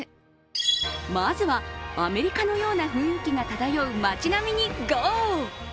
まずはアメリカのような雰囲気が漂う町並みにゴー。